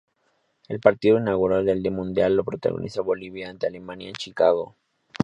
El partido inaugural del Mundial lo protagonizó Bolivia ante Alemania en Chicago.